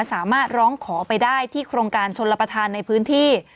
สามารถร้องขอไปได้ที่โครงการชนรับประทานในพื้นที่